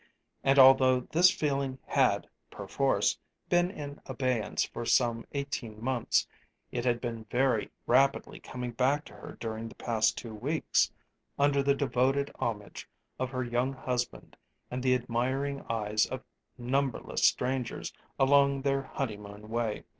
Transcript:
And although this feeling had, perforce, been in abeyance for some eighteen months, it had been very rapidly coming back to her during the past two weeks, under the devoted homage of her young husband and the admiring eyes of numberless strangers along their honeymoon way.